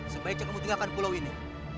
sebaiknya kamu tinggalkan pulau ini